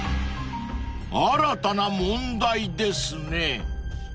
［新たな問題ですね］